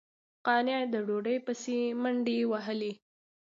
قانع د ډوډۍ پسې منډې وهلې.